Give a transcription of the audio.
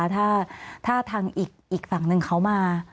ถ้าทางอีกฝั่งหนึ่งเขามา